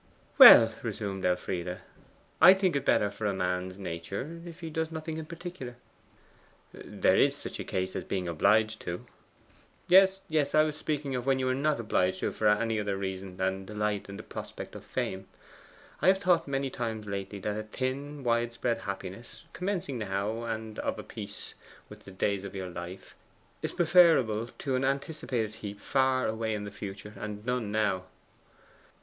'Well,' resumed Elfride, 'I think it better for a man's nature if he does nothing in particular.' 'There is such a case as being obliged to.' 'Yes, yes; I was speaking of when you are not obliged for any other reason than delight in the prospect of fame. I have thought many times lately that a thin widespread happiness, commencing now, and of a piece with the days of your life, is preferable to an anticipated heap far away in the future, and none now.